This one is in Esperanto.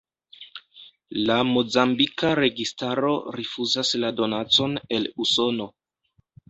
La mozambika registaro rifuzas la donacon el Usono.